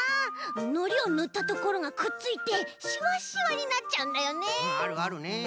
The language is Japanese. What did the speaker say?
のりをぬったところがくっついてしわしわになっちゃうんだよね。